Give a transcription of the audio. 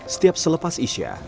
setiap selepas isya